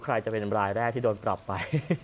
ใครจะเป็นรายแรกที่โดนปรับไป